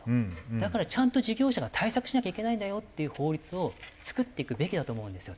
だからちゃんと事業者が対策しなきゃいけないんだよっていう法律を作っていくべきだと思うんですよ。